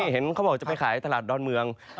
เห็นเขาบอกจะไปขายตลาดดอนเมือง